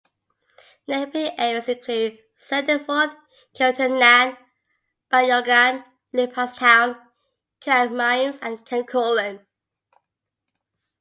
Neighbouring areas include Sandyford, Kilternan, Ballyogan, Leopardstown, Carrickmines and Glencullen.